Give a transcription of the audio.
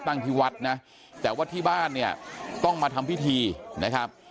ที่วัดนะแต่ว่าที่บ้านเนี่ยต้องมาทำพิธีนะครับ